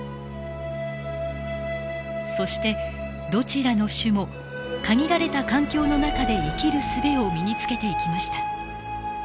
そしてどちらの種も限られた環境の中で生きるすべを身につけていきました。